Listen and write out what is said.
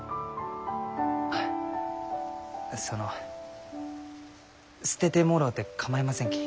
あその捨ててもろうて構いませんき。